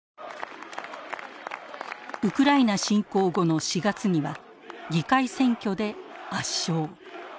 ウクライナ侵攻後の４月には議会選挙で圧勝。